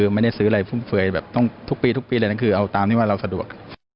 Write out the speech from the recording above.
ไม่ได้ซื้ออะไรฟุ่มเฟือยแบบต้องทุกปีทุกปีเลยนั่นคือเอาตามที่ว่าเราสะดวก